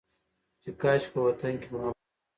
چې کاشکي په وطن کې مو امن وى.